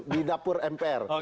di dapur mpr